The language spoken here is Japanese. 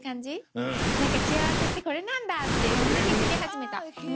何か幸せってこれなんだってやっと気付き始めた。